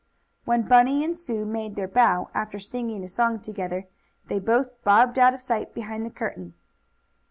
When Bunny and Sue made their bow, after singing the song together, they both bobbed out of sight behind the curtain.